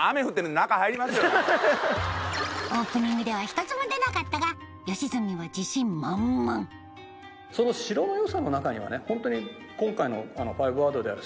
オープニングでは１つも出なかったが良純は自信満々ホントに今回の５ワードである。